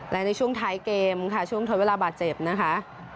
และในช่วงท้ายเกมค่ะช่วงทดเวลาบาดเจ็บนะคะ